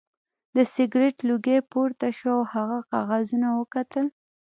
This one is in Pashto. د سګرټ لوګی پورته شو او هغه کاغذونه وکتل